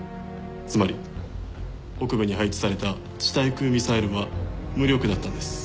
つまり北部に配置された地対空ミサイルは無力だったんです。